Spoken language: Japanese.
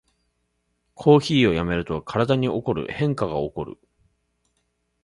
コーヒーをやめると体に起こる変化がおこる